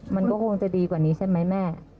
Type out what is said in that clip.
มันก็คงจะดีกว่านี้ใช่ไหมแม่